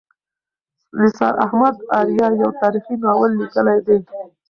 نثار احمد آریا یو تاریخي ناول لیکلی دی.